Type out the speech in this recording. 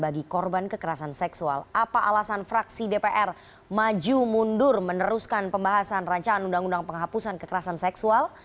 apa alasan fraksi dpr maju mundur meneruskan pembahasan ruu penghapusan kekerasan seksual